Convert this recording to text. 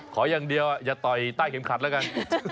ขออย่างเดียวอย่าต่อยใต้เข็มขัดแล้วกัน